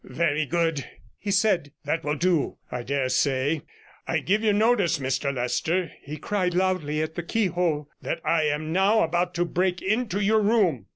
'Very good,' he said, 'that will do, I dare say. I give you notice, Mr Leicester,' he cried loudly at the keyhole, 'that I am now about to break into your room.'